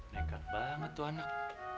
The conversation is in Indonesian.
nekat banget tuh anak